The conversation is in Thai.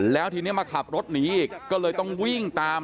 แล้วทีนี้มาขับรถหนีอีกก็เลยต้องวิ่งตาม